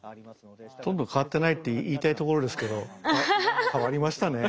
ほとんど変わってないって言いたいところですけど変わりましたね。